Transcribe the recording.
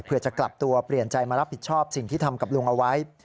เพื่อจะกลับตัวเปลี่ยนใจมารับผิดชอบสิ่งที่ทำกับลุงเอาไว้